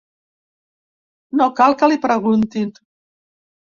No cal que li preguntin.